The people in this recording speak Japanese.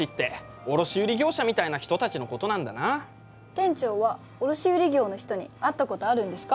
店長は卸売業の人に会ったことあるんですか。